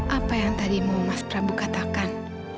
apa yang tadi mau mas prabu katakan